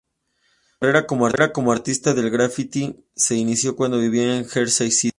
Su carrera como artista del grafiti se inició cuando vivía en Jersey City.